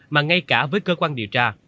mà ngay cả với cơ quan điều tra